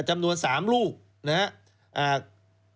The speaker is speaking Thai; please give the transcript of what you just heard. จำนวน๓ลูกนะครับ